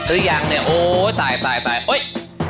เออยังเนี่ยโอ้ยตายโอ๊ย